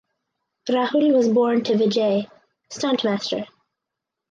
Rahul was born to Vijay (stunt master).